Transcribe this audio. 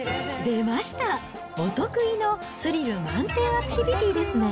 出ました、お得意のスリル満点アクティビティーですね。